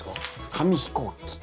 紙飛行機。